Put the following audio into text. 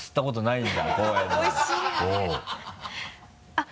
あっ！